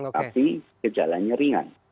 tapi kejalannya ringan